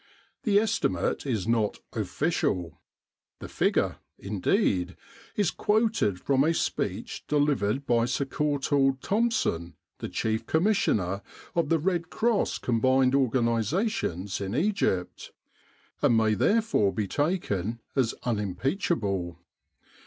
The estimate is not "official.'* The figure, indeed, is 306 "In Arduis Fidelis" quoted from a speech delivered by Sir Courtauld Thompson, the Chief Commissioner of the Red Cross combined organisations in Egypt; and may therefore be taken as unimpeachable.